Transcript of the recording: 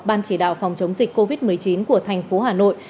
ban chỉ đạo phòng chống dịch covid một mươi chín của thành phố hà nội